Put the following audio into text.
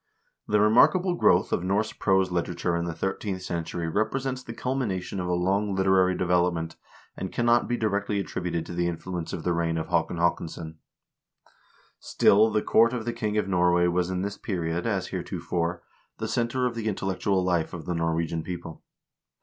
The remarkable growth of Norse prose literature in the thirteenth century represents the culmination of a long literary development, and cannot be directly attributed to the influence of the reign of Haakon Haakonsson. Still the court of the king of Norway was in this period, as heretofore, the center of the intellectual life of the Norwegian people.